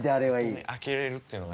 あとね開けれるっていうのが。